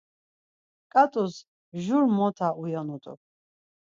Ǩat̆us jur mota uyonut̆u.